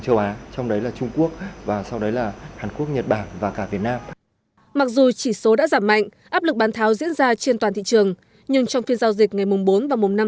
nhưng trong phiên giao dịch ngày bốn và năm tháng hai đa giảm của thị trường đã dần thu hẹp